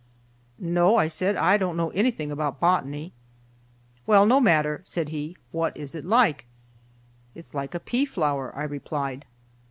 "No," I said, "I don't know anything about botany." "Well, no matter," said he, "what is it like?" "It's like a pea flower," I replied.